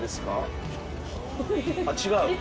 違う？